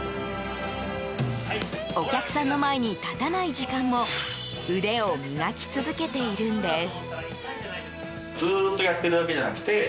お客さんの前に立たない時間も腕を磨き続けているんです。